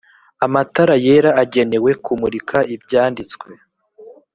amatara yera agenewe kumurika ibyanditswe